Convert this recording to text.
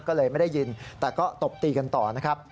ก็เลยไม่ได้ยินแต่ก็ตบตีกันต่อนะครับ